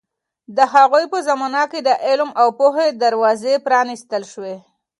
د هغوی په زمانه کې د علم او پوهې دروازې پرانیستل شوې.